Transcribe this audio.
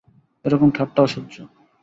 এ-রকম ঠাট্টা অসহ্য।